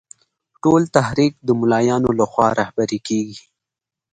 ټول تحریک د مولویانو له خوا رهبري کېږي.